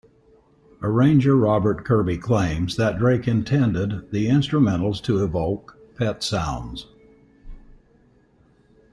Arranger Robert Kirby claims that Drake intended the instrumentals to evoke "Pet Sounds".